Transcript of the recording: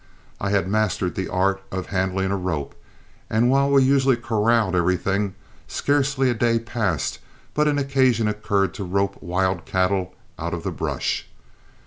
I had mastered the art of handling a rope, and while we usually corralled everything, scarcely a day passed but occasion occurred to rope wild cattle out of the brush.